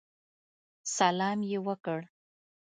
سلام یې وکړ.